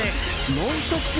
ノンストップ！